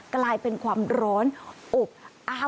กลายเป็นความร้อนอบอ้าว